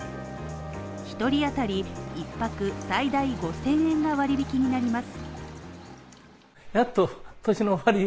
１人当たり１泊最大５０００円が割引になります。